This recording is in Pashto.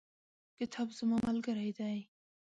کتاب زما ملګری دی.